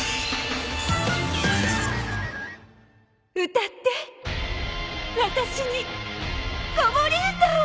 歌って私に子守歌を。